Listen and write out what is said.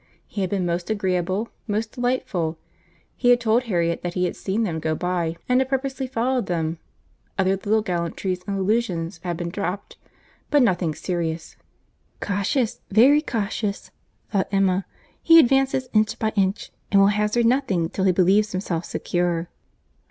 He had been most agreeable, most delightful; he had told Harriet that he had seen them go by, and had purposely followed them; other little gallantries and allusions had been dropt, but nothing serious. "Cautious, very cautious," thought Emma; "he advances inch by inch, and will hazard nothing till he believes himself secure."